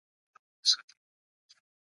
افغانانو پر دښمن برید وکړ